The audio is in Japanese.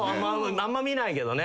あんま見ないけどね。